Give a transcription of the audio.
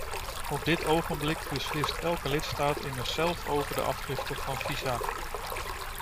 Op dit ogenblik beslist elke lidstaat immers zelf over de afgifte van visa.